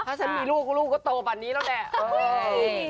ถ้าฉันมีลูกหรือก็ลูกก็โตแบบนี้ตัวแล้วนะ